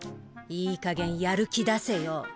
いいかげんやる気出せよ。